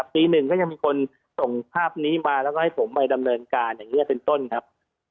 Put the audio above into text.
ปีลึงยังมีคนที่ส่งภาพนี้มาให้ผมไปดำเนินการเป็นต้นครับ